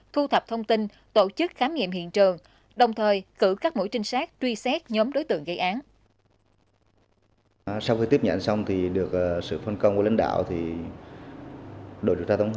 thu thập thông tin tổ chức khám nghiệm hiện trường đồng thời cử các mũi trinh sát và điều tra viên xuống hiện trường